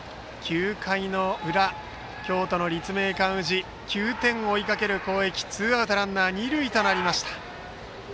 ９回裏、京都の立命館宇治９点を追いかける攻撃ツーアウトランナー、二塁。